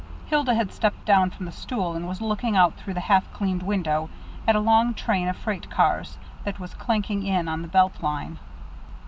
Hilda had stepped down from the stool, and was looking out through the half cleaned window at a long train of freight cars that was clanking in on the Belt Line.